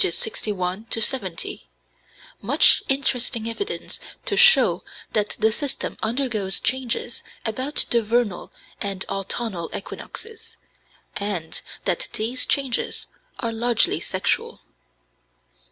61 70) much interesting evidence to show that the system undergoes changes about the vernal and autumnal equinoxes, and that these changes are largely sexual.